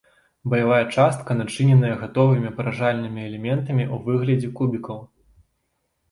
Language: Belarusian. Баявая частка начыненая гатовымі паражальнымі элементамі ў выглядзе кубікаў.